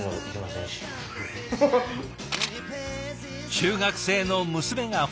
中学生の娘が２人。